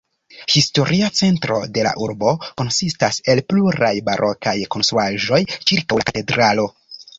Historia centro de la urbo konsistas el pluraj barokaj konstruaĵoj ĉirkaŭ la katedralo.